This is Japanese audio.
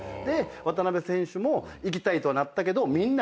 渡邊選手も行きたいとなったけどみんなから無理やと。